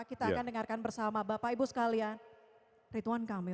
kita akan dengarkan bersama bapak ibu sekalian